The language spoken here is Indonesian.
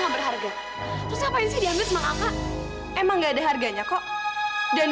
balikin kalungnya kak